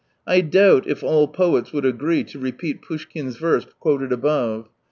I doubt if all poets would agree to repeat Poushkin's verse quoted above.